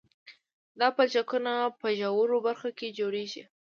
دا پلچکونه په ژورو برخو کې جوړیږي